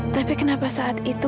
tapi kenapa saat itu